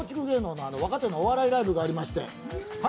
若手のお笑いライブがありまして。